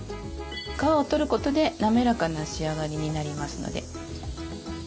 皮を取ることで滑らかな仕上がりになりますので。